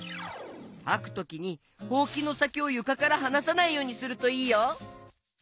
はくときにほうきのさきをゆかからはなさないようにするといいよ。